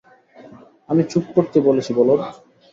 আমি চুপ করতে বলেছি বলদ।